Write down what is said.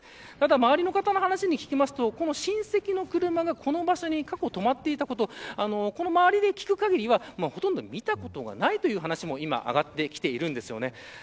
周りの方に聞くと、親戚の車がこの周りで止まっていたことはこの周りで聞く限りではほとんど見たことがないという話も上がっています。